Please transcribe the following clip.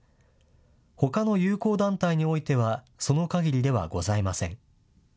ほかの友好団体においてはそのかぎりではございません。